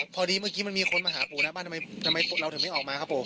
พอดีเมื่อกี้มันมีคนมาหาปู่นะบ้านทำไมเราถึงไม่ออกมาครับผม